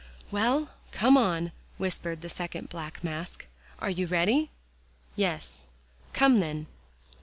"Well, come on," whispered the second black mask. "Are you ready?" Yes. "Come then."